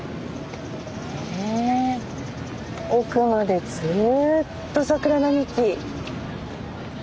ええ奥までずっと桜並木。